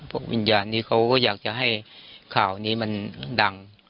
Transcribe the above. วิญญาณนี้เขาก็อยากจะให้ข่าวนี้มันดัง